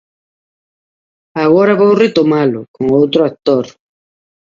Agora vou retomalo, con outro actor.